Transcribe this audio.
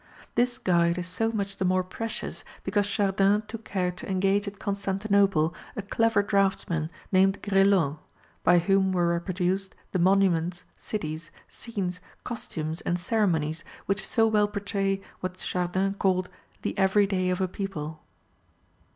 This guide is so much the more precious because Chardin took care to engage at Constantinople a clever draughtsman named Grelot, by whom were reproduced the monuments, cities, scenes, costumes, and ceremonies which so well portray what Chardin called, "the every day of a people."